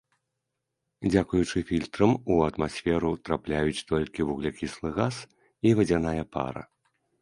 Дзякуючы фільтрам у атмасферу трапляюць толькі вуглякіслы газ і вадзяная пара.